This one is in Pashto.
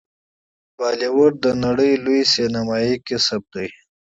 بالیووډ د نړۍ لوی سینما صنعت دی.